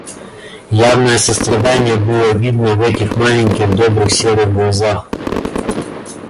Явное сострадание было видно в этих маленьких добрых серых глазах.